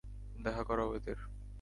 দেখা করাও এদের।